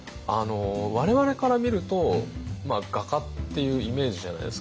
我々から見ると画家っていうイメージじゃないですか。